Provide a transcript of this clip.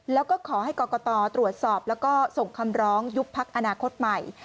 แล้วก็ขอให้กรกตตรวจสอบแล้วก็ส่งคำร้องยุบพักอนาคตใหม่